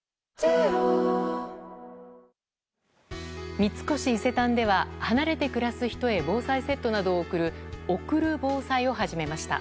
三越伊勢丹では離れて暮らす人へ防災セットなどを贈るおくる防災を始めました。